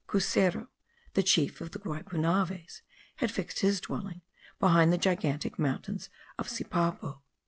Cuseru, the chief of the Guaypunaves, had fixed his dwelling behind the granitic mountains of Sipapo.